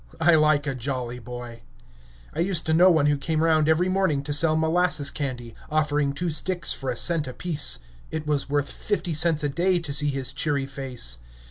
I like a jolly boy. I used to know one who came round every morning to sell molasses candy, offering two sticks for a cent apiece; it was worth fifty cents a day to see his cheery face.